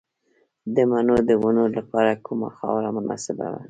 د مڼو د ونو لپاره کومه خاوره مناسبه ده؟